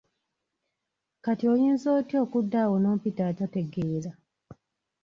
Kati oyinza otya okuddaawo n'ompita atategeera?